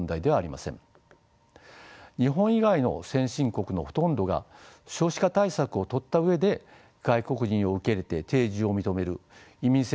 日本以外の先進国のほとんどが少子化対策をとった上で外国人を受け入れて定住を認める移民政策をとっています。